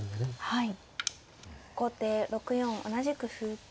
はい。